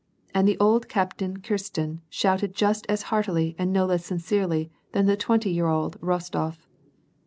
And the old Captain Kirsten shouted just as heartily and no less sincerely than the twenty year old Rostof.